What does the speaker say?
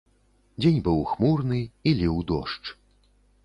Дзень быў хмурны, і ліў дождж.